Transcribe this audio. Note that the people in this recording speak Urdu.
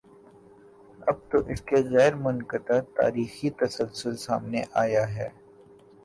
اب تک اس کا غیر منقطع تاریخی تسلسل سامنے آیا ہے۔